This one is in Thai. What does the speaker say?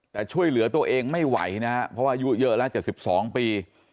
แต่ช่วยเหลือตัวเองไม่ไหวนะครับเพราะว่าอายุเยอะแล้ว๗๒ปี